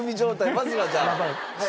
まずはじゃあ。